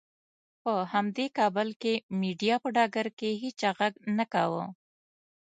په همدې کابل کې مېډیا په ډګر کې هېچا غږ نه کاوه.